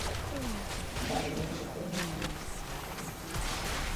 তাই নদীর নাব্যতা সংকট দূর করার জন্য ব্যাপক কর্মসূচি গ্রহণ আবশ্যক।